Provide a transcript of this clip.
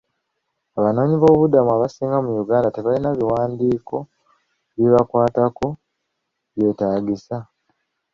Abanoonyiboobubudamu abasinga mu Uganda tebalina biwandiiko bibakwatako byetaagisa.